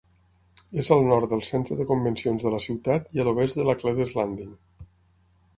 És al nord del centre de convencions de la ciutat i a l'oest de Laclede's Landing.